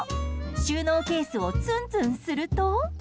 収納ケースをつんつんすると。